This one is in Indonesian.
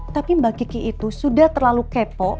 tapi mbak kiki itu sudah terlalu kepo